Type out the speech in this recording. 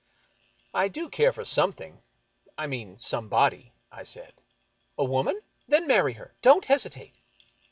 " I do care for something — I mean, somebody," I said. "A woman? Then marry her. Don't hesitate."